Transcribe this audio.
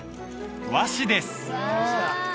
和紙です